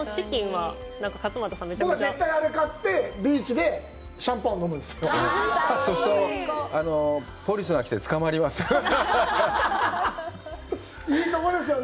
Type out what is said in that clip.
もう絶対あれを買って、ビーチでシャンパンを飲むんですよ。